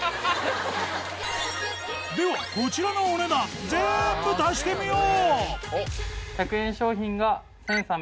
ではこちらのお値段ぜんぶ足してみよう！